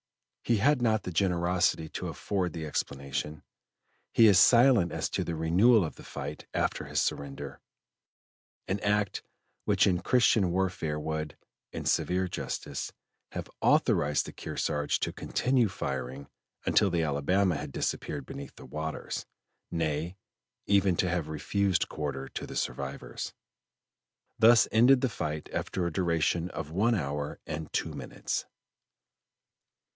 He had not the generosity to afford the explanation; he is silent as to the renewal of the fight after his surrender; an act which in christian warfare would, in severe justice, have authorized the Kearsarge to continue firing until the Alabama had disappeared beneath the waters; nay, even to have refused quarter to the survivors. Thus ended the fight after a duration of one hour and two minutes.